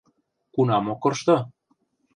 — Кунам ок коршто?